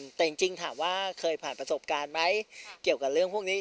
แต่จริงถามว่าเคยผ่านประสบการณ์ไหมเกี่ยวกับเรื่องพวกนี้